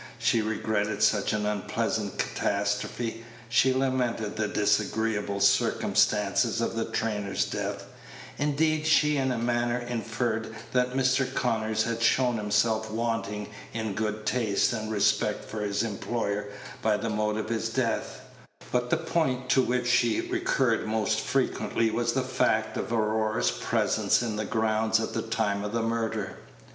She regretted such an unpleasant catastrophe; she lamented the disagreeable circumstances of the trainer's death; indeed, she in a manner inferred that Mr. Conyers had shown himself wanting in good taste and respect for his employer by the mode of his death; but the point to which she recurred most frequently was the fact of Aurora's presence in the grounds at the time of the murder.